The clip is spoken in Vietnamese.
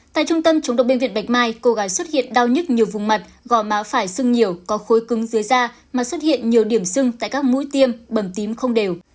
tại trung tâm chống độc bệnh viện bạch mai cô gái xuất hiện đau nhức nhiều vùng mặt gò má phải sưng nhiều có khối cứng dưới da mà xuất hiện nhiều điểm sưng tại các mũi tiêm bầm tím không đều